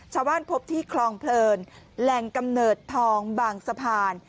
พบที่คลองเพลินแหล่งกำเนิดทองบางสะพาน